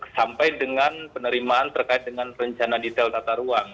sampai dengan penerimaan terkait dengan rencana detail tata ruang